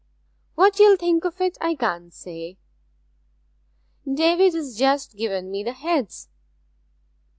What you'll think of it I can't say.' 'David has just given me the heads.'